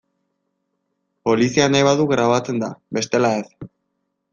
Poliziak nahi badu grabatzen da, bestela ez.